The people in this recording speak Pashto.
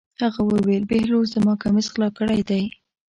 هغه وویل: بهلول زما کمیس غلا کړی دی.